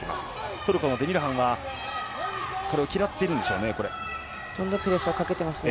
トルコのデミルハンはこれを嫌っているんでしょうね。